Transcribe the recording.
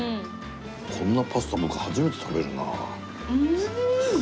こんなパスタなんか初めて食べるな。